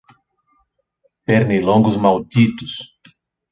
Pernilongos malditos